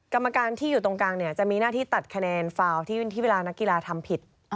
กรรมการที่อยู่ตรงกลางเนี่ยจะมีหน้าที่ตัดคะแนนฟาวที่เวลานักกีฬาทำผิด